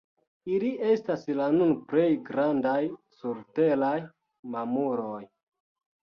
Ili estas la nun plej grandaj surteraj mamuloj.